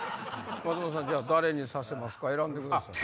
松本さん誰にさせますか選んでください。